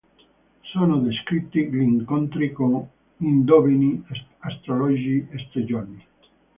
Sono descritti gli incontri con indovini, astrologi, "stregoni".